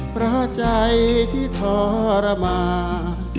เพราะใจที่ทรมาน